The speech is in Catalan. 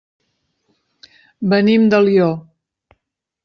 Venim d'Alió.